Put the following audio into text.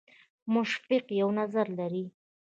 مشفق یو نظر لري.